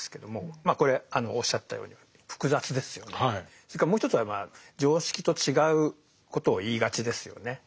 それからもう一つはまあ常識と違うことを言いがちですよね。